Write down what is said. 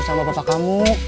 sama bapak kamu